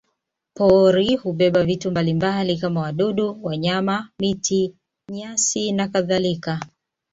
Pori hubeba vitu mbalimbali kama wadudu, wanyama, miti, nyasi nakadhalika.